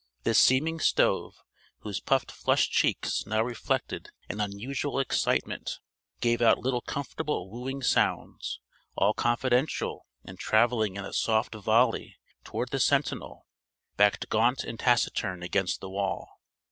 This seeming stove, whose puffed flushed cheeks now reflected an unusual excitement, gave out little comfortable wooing sounds, all confidential and travelling in a soft volley toward the sentinel, backed gaunt and taciturn against the wall.